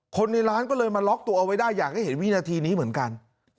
คนในร้านก็เลยมาล็อกตัวเอาไว้ได้อยากให้เห็นวินาทีนี้เหมือนกัน